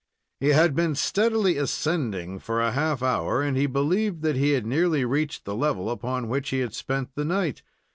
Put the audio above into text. He had been steadily ascending for a half hour, and he believed that he had nearly reached the level upon which he had spent the night.